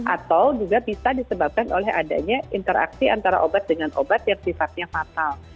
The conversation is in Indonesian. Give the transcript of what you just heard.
atau juga bisa disebabkan oleh adanya interaksi antara obat dengan obat yang sifatnya fatal